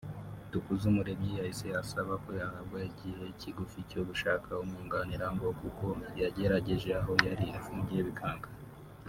Dukuzumuremyi yahise asaba ko yahabwa igihe kigufi cyo gushaka umwunganira ngo kuko yagerageje aho yari afungiye bikanga